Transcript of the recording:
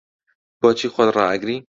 بۆچی خۆت ڕائەگری؟